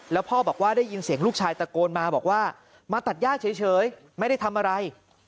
แล้วพ่อบอกว่าได้ยินเสียงลูกชายตะโกนมาบอกว่ามาตัดย่าเฉยไม่ได้ทำอะไร